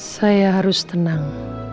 saya harus tenang